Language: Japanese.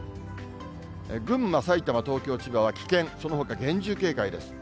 群馬、埼玉、東京、千葉は危険、そのほか厳重警戒です。